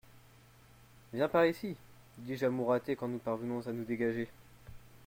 Viens par ici, dis-je à Mouratet quand nous parvenons à nous dégager.